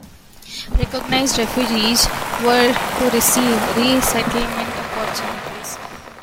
Recognized refugees were to receive resettlement opportunities.